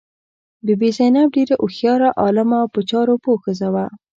بي بي زینب ډېره هوښیاره، عالمه او په چارو پوه ښځه وه.